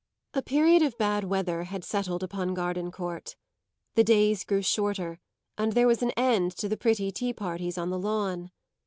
A period of bad weather had settled upon Gardencourt; the days grew shorter and there was an end to the pretty tea parties on the lawn.